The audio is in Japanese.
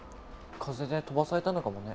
風で飛ばされたのかもね。